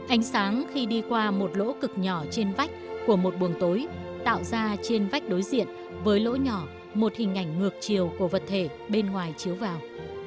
ánh sáng khi đi qua một lỗ cực nhỏ trên vách của một buồng tối tạo ra trên vách đối diện với lỗ nhỏ một hình ảnh ngược chiều của vật thể bên ngoài chiếu vào